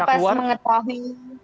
dan juga pas mengetahui